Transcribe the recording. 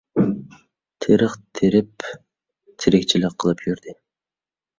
تېرىق تېرىپ ، تىرىكچىلىك قىلىپ يۈردى.